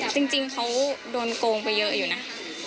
จริงเขาโดนโกงไปเยอะอยู่นะ